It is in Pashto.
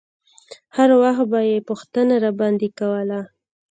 هر وخت به يې پوښتنه راباندې کوله.